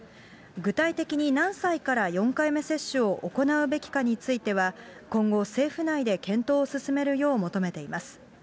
具体的に何歳から４回目接種を行うべきかについては、今後、政府内で検討を進めるよう求めています。